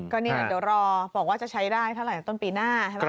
ค่ะก็นี่เดี๋ยวรอบอกว่าจะใช้ได้เท่าไหร่ต้นปีหน้า